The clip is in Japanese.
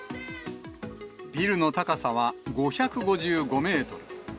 ビルの高さは５５５メートル。